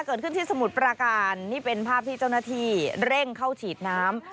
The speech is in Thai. เกิดขึ้นที่สมุทรปราการนี่เป็นภาพที่เจ้าหน้าที่เร่งเข้าฉีดน้ำ